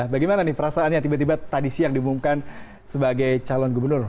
bagaimana nih perasaannya tiba tiba tadi siang diumumkan sebagai calon gubernur